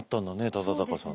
忠敬さんね。